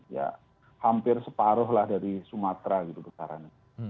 ya hampir separuh lah dari sumatera gitu besarannya